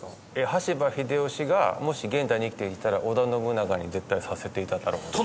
羽柴秀吉がもし現代に生きていたら織田信長に絶対させていただろうなと。